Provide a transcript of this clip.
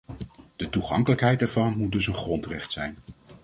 De toegankelijkheid ervan moet dus een grondrecht zijn.